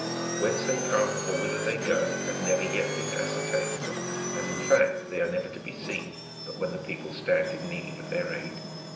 Whence they^'^ come, or whither they go, has never yet been ascertained, as, in fact, they are never to be seen but when the people stand in need of their aid.